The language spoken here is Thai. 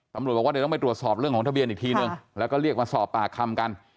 ตำรวจบอกว่าเดี๋ยวต้องไปตรวจสอบเรื่องของทะเบียนอีกทีนึงแล้วก็เรียกมาสอบปากคำกัน